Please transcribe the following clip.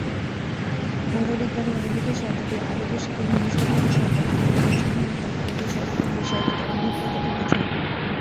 মনোবিজ্ঞানে, অনুভূতি শব্দটি আবেগের সাথে ঘনিষ্ঠভাবে সম্পর্কিত, এবং সাধারণত আবেগের সচেতন বিষয়গত অভিজ্ঞতাকে বোঝায়।